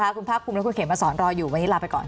ขอบคุณพระคุณและคุณเขมมาสอนรออยู่วันนี้ลาไปก่อน